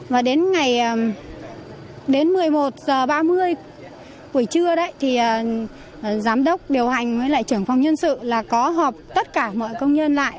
và đến ngày đến một mươi một h ba mươi buổi trưa đấy thì giám đốc điều hành với lại trưởng phòng nhân sự là có họp tất cả mọi công nhân lại